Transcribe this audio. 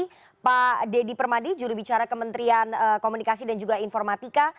terima kasih sekali pak dedy permadi juru bicara kementerian komunikasi dan juga informatika